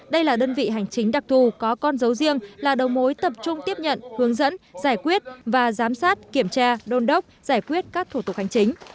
đây là đơn vị hành chính đặc thù có con dấu riêng là đầu mối tập trung tiếp nhận hướng dẫn giải quyết và giám sát kiểm tra đôn đốc giải quyết các thủ tục hành chính